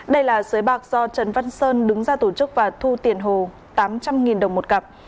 đây là xới bạc do trần văn sơn đứng ra tổ chức và thu tiền hồ tám trăm linh đồng một cặp